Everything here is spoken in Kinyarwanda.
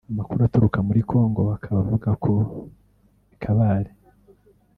Amakuru aturuka muri Congo akaba avuga ko I Kabare